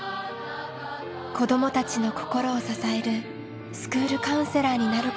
子どもたちの心を支えるスクールカウンセラーになることです。